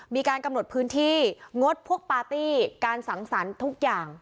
มีการกำหนดพื้นที่งดพวกปาร์ตี้การสังสรรค์ทุกอย่าง